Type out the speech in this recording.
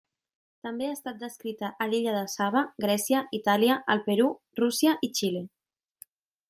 També ha estat descrita a l'illa de Saba, Grècia, Itàlia, el Perú, Rússia i Xile.